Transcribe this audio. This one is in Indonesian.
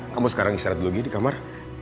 kamu sekarang istirahat dulu gini kamar